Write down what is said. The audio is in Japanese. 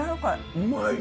うまい。